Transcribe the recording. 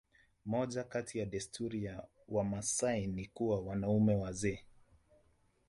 moja kati ya desturi ya wamaasai ni kuwa wanaume wazee